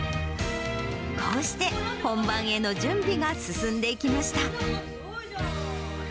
こうして本番への準備が進んでいきました。